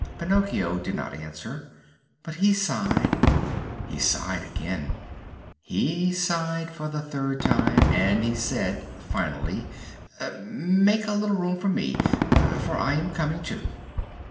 Pinocchio did not answer, but he sighed; he sighed again; he sighed for the third time, and he said finally: "Make a little room for me, for I am coming, too."